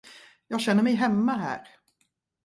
Jag känner mig hemma här.